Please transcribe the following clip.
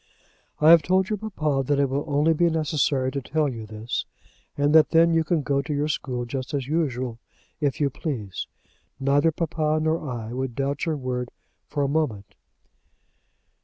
"I have told your papa that it will only be necessary to tell you this, and that then you can go to your school just as usual, if you please. Neither papa nor I would doubt your word for a moment."